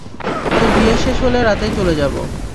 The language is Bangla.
তোর বিয়ে শেষে হলে রাতেই চলে যাবো।